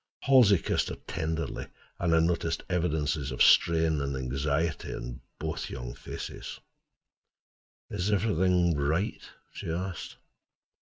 Halsey kissed her tenderly, and I noticed evidences of strain and anxiety in both young faces. "Is everything—right?" she asked.